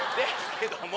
けども。